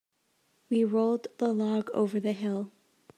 We rolled the log over the hill.